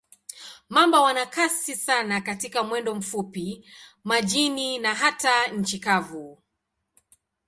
Mamba wana kasi sana katika mwendo mfupi, majini na hata nchi kavu.